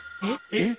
えっ？